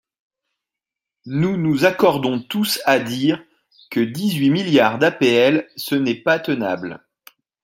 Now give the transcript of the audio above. Nous nous accordons tous à dire que dix-huit milliards d’APL, ce n’est pas tenable.